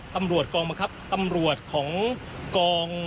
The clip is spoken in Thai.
ตำรวจกองบังคับตำรวจของกอง